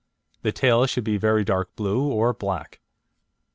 The tail should be very dark blue or black.